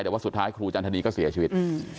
แต่ว่าสุดท้ายครูจันทนีก็เสียชีวิต